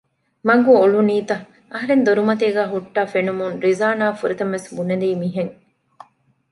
މަގު އޮޅުނީތަ؟ އަހަރެން ދޮރުމަތީ ހުއްޓައި ފެނުމުން ރިޒާނާ ފުރަތަމަ ވެސް ބުނެލީ މިހެން